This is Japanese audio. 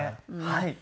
はい。